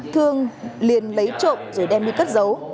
thương liền lấy trộm rồi đem đi cất giấu